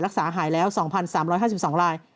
รักษาหายแล้ว๒๓๕๒ราย